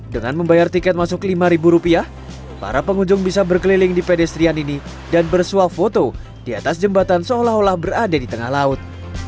dengan membayar tiket masuk lima rupiah para pengunjung bisa berkeliling di pedestrian ini dan bersuap foto di atas jembatan seolah olah berada di tengah laut